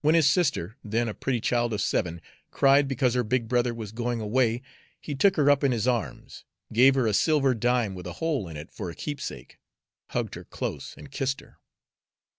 When his sister, then a pretty child of seven, cried because her big brother was going away, he took her up in his arms, gave her a silver dime with a hole in it for a keepsake, hugged her close, and kissed her.